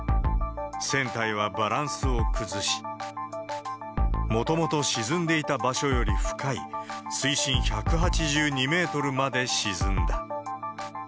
船体はバランスを崩し、もともと沈んでいた場所より深い、水深１８２メートルまで沈んだ。